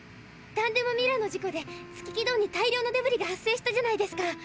タンデム・ミラーの事故で月軌道に大量のデブリが発生したじゃないですか。